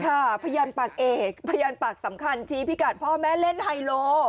ค่ะพยานปากเอกพยานปากสำคัญทีพี่การพ่อแม่เล่นไฮลล์โหล